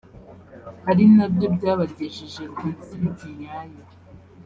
ari nabyo byabagejeje ku ntsinzi nyayo